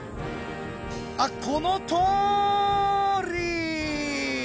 あっこのとおり！